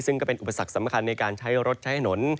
ซึ่งก็เป็นอุปสรรคสำคัญในการใช้รถใช้ถนน